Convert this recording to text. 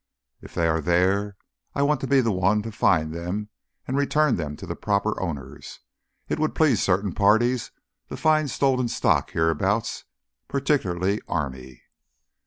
If they are there, I want to be the one to find them and return them to the proper owners. It would please certain parties to find stolen stock hereabouts—particularly army.